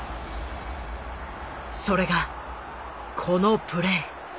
それがこのプレー。